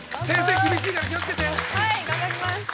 厳しいから、気をつけて。